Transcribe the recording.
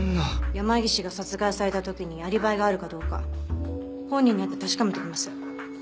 山岸が殺害された時にアリバイがあるかどうか本人に会って確かめてきます。